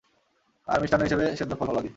আর মিষ্টান্ন হিসেবে সেদ্ধ ফল-ফলাদি।